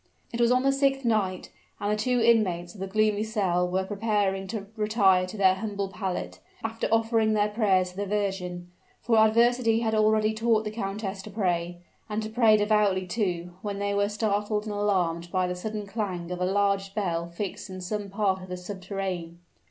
It was on the sixth night, and the two inmates of the gloomy cell were preparing to retire to their humble pallet, after offering their prayers to the Virgin, for adversity had already taught the countess to pray, and to pray devoutly, too, when they were startled and alarmed by the sudden clang of a large bell fixed in some part of the subterrane.